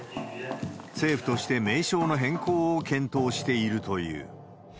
政府として名称の変更を検討しているという。